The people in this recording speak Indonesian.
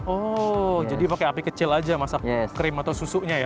oh jadi pakai api kecil aja masak krim atau susunya ya